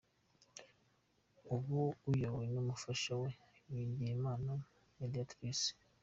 Ubu iyobowe n’umufasha we Bigirimana Mediatrice.